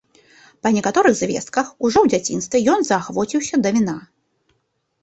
Па некаторых звестках, ужо ў дзяцінстве ён заахвоціўся да віна.